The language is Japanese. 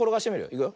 いくよ。